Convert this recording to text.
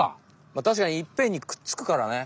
まあたしかにいっぺんにくっつくからね。